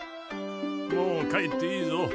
もう帰っていいぞ。